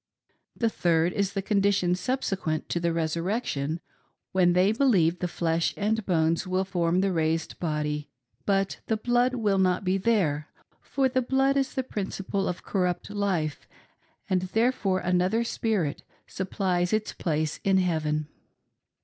The third is the condition subsequent to the Resurrection, when they believe the flesh and bones will form the raised body, but the blood will not be there ; for the blood is the principle of corrupt life, and therefore another spirit supplies its place in heaven.